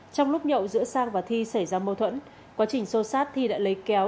trong lúc nhậu giữa sang và thi xảy ra mâu thuẫn quá trình xô sát thi đã lấy kéo